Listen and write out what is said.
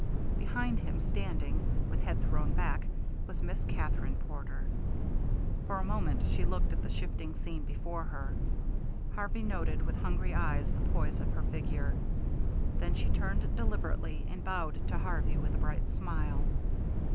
Behind him, standing, with head thrown back, was Miss Katherine Porter. For a moment she looked at the shifting scene before her. Harvey noted with hungry eyes the poise of her figure. Then she turned deliberately, and bowed to Harvey with a bright smile.